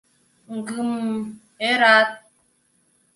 — Гм... ӧрат.